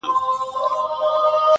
• کوټي ته درځمه گراني.